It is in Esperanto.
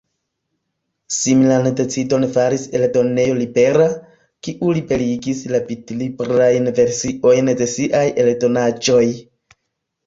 Similan decidon faris Eldonejo Libera, kiu liberigis la bitlibrajn versiojn de siaj eldonaĵoj.